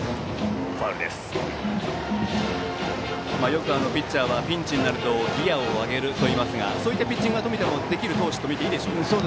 よくピッチャーはピンチになるとギヤを上げるといますがそういったピッチングは冨田もできるとみていいでしょうか。